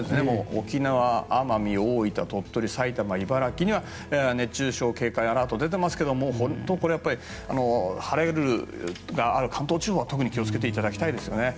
沖縄、奄美大分、鳥取、埼玉、茨城には熱中症警戒アラートが出ていますけど本当、これは晴れる日は関東地方特に気を付けていただきたいです。